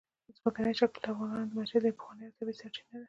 ځمکنی شکل د افغانانو د معیشت یوه پخوانۍ او طبیعي سرچینه ده.